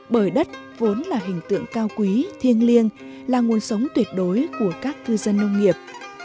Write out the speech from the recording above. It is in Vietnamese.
bởi đất vốn là hình tượng cao quý thiêng liêng là nguồn sống tuyệt đối của các cư dân nông nghiệp